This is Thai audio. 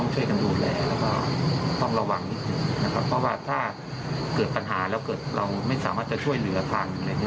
เพราะว่าถ้าเกิดปัญหาแล้วเราไม่สามารถจะช่วยเหลือพัง